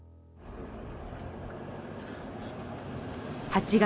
８月。